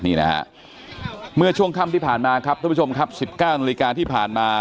นี่นะฮะเมื่อช่วงค่ำที่ผ่านมาครับทุกผู้ชมครับ๑๙นาฬิกาที่ผ่านมา